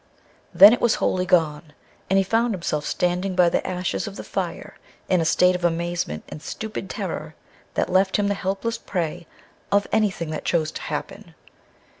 Then it was wholly gone, and he found himself standing by the ashes of the fire in a state of amazement and stupid terror that left him the helpless prey of anything that chose to happen.